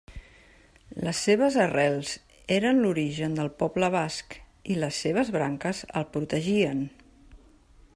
Les seves arrels eren l'origen del poble basc i les seves branques el protegien.